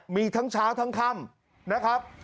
มีทั้งเช้าทั้งค่ำนะครับ